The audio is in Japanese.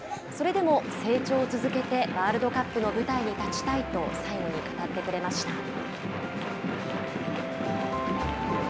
それでも成長を続けてワールドカップの舞台に立ちたいと最後に語ってくれました。